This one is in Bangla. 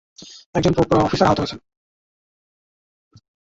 একজন অফিসার আহত হয়েছেন।